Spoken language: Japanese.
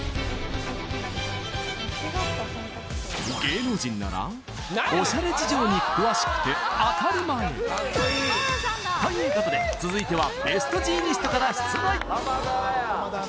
芸能人ならオシャレ事情に詳しくて当たり前ということで続いてはベストジーニストから出題